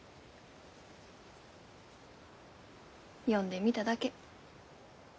呼んでみただけ。